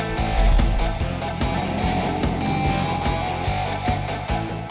masih sebentar ya sini sini aku bantu